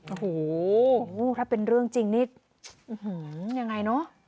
โอ้โหถ้าเป็นเรื่องจริงนี่ยังไงเนอะ